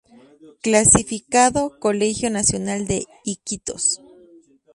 Clasificado: Colegio Nacional de Iquitos.